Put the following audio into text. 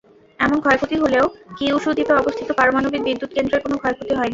এমন ক্ষয়ক্ষতি হলেও কিয়ুসু দ্বীপে অবস্থিত পারমাণবিক বিদ্যুৎ কেন্দ্রের কোনো ক্ষয়ক্ষতি হয়নি।